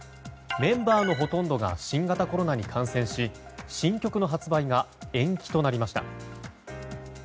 メンバーのほとんどが新型コロナに感染し新曲の発売が延期となりました。